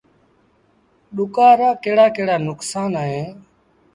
ڏُڪآر رآ ڪهڙآ ڪهڙآ نڪسآݩ اهيݩ۔